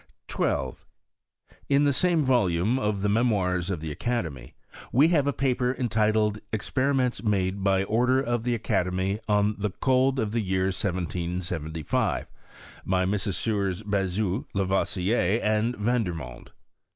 12. In the same volume of the Memoirs of the Academy, we have a paper entitled " Experiments made by Order of the Academy, on the Cold of the year 1775, by Messrs. Bezout, Lavoisier, and Van dermond."